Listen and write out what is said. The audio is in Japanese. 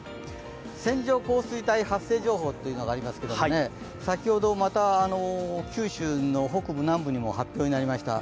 線状降水帯発生情報というのがありますけど、先ほどまた九州の北部・南部にも発表になりました。